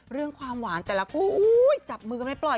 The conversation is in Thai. ความหวานแต่ละคู่จับมือกันไม่ปล่อย